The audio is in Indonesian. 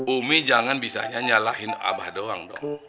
umi jangan bisanya nyalahin abah doang dong